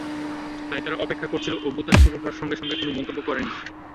তাই তারা অপেক্ষা করছিল, অভ্যুত্থান শুরু হওয়ার সঙ্গে সঙ্গে কোনো মন্তব্য করেনি।